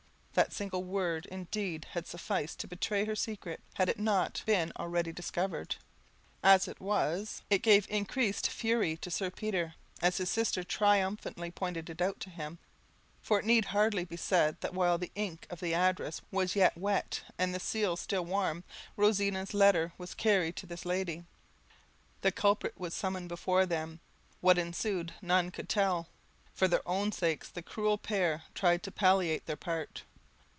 That single word, indeed, had sufficed to betray her secret, had it not been already discovered; as it was, it gave increased fury to Sir Peter, as his sister triumphantly pointed it out to him, for it need hardly be said that while the ink of the address was yet wet, and the seal still warm, Rosina's letter was carried to this lady. The culprit was summoned before them; what ensued none could tell; for their own sakes the cruel pair tried to palliate their part.